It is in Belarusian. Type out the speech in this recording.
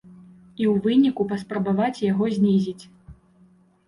І ў выніку паспрабаваць яго знізіць.